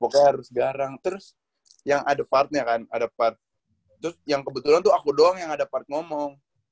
pokoknya harus garang terus yang ada partnya kan ada part terus yang kebetulan tuh aku doang yang ada part ngomong